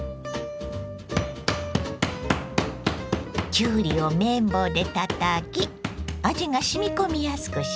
きゅうりを麺棒でたたき味がしみこみやすくします。